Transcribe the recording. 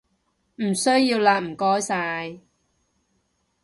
唔需要喇唔該晒